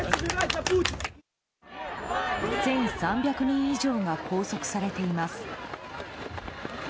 １３００人以上が拘束されています。